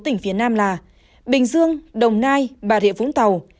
tỉnh phía nam là bình dương đồng nai bà rịa vũng tàu